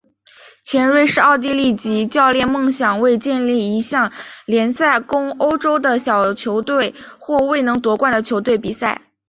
前瑞士奥地利籍教练梦想为建立一项联赛供欧洲的小球队或未能夺冠的球队比赛。